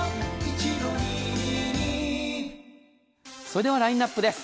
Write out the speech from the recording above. それではラインアップです。